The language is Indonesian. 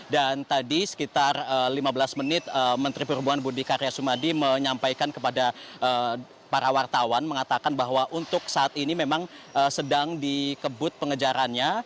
dan tadi sekitar lima belas menit menteri perhubungan bundi karya sumadi menyampaikan kepada para wartawan mengatakan bahwa untuk saat ini memang sedang dikebut pengejarannya